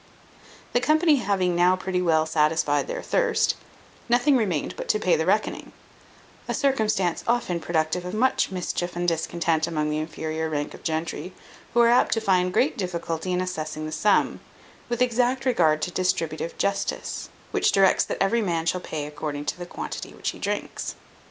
The company having now pretty well satisfied their thirst, nothing remained but to pay the reckoning, a circumstance often productive of much mischief and discontent among the inferior rank of gentry, who are apt to find great difficulty in assessing the sum, with exact regard to distributive justice, which directs that every man shall pay according to the quantity which he drinks.